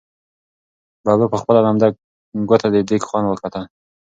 ببو په خپله لمده ګوته د دېګ خوند وکتل.